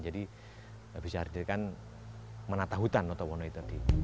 jadi bisa dijadikan menata hutan notowono itu